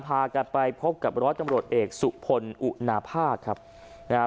พากันไปพบกับร้อยตำรวจเอกสุพลอุณภาคครับนะฮะ